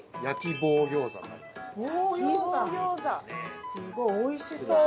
棒餃子すごいおいしそう。